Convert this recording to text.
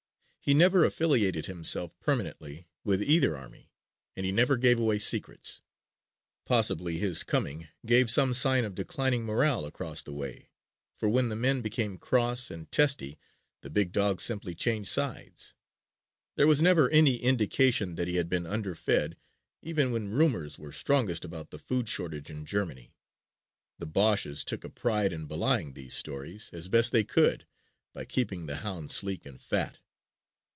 He never affiliated himself permanently with either army and he never gave away secrets. Possibly his coming gave some sign of declining morale across the way for when the men became cross and testy the big dog simply changed sides. There was never any indication that he had been underfed even when rumors were strongest about the food shortage in Germany. The Boches took a pride in belying these stories, as best they could, by keeping the hound sleek and fat.